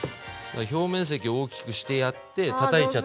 表面積大きくしてやってたたいちゃってもいいし。